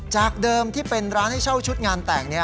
จากเดิมที่เป็นร้านให้เช่าชุดงานแต่ง